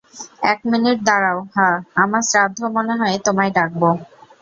এক মিনিট দাঁড়াও -হা, আমার শ্রাদ্ধে মনে হয় তোমায় ডাকবো!